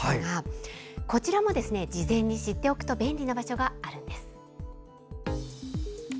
こちらも事前に知っておくと便利な場所があるんです。